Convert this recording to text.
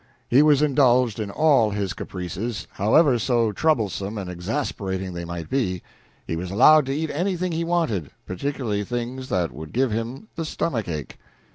He was indulged in all his caprices, howsoever troublesome and exasperating they might be; he was allowed to eat anything he wanted, particularly things that would give him the stomach ache.